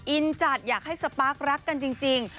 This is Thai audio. อินจัดอยากให้สปาร์ครักกันจริง